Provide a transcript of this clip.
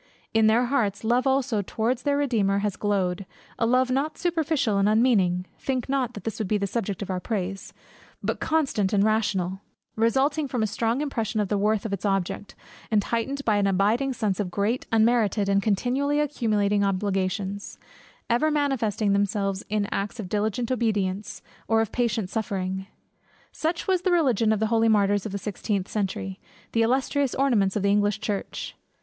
In their hearts, love also towards their Redeemer has glowed; a love not superficial and unmeaning (think not that this would be the subject of our praise) but constant and rational, resulting from a strong impression of the worth of its object, and heightened by an abiding sense of great, unmerited, and continually accumulating obligations; ever manifesting itself in acts of diligent obedience, or of patient suffering. Such was the religion of the holy martyrs of the sixteenth century, the illustrious ornaments of the English church.